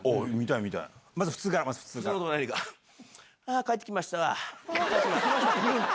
あ帰って来ました。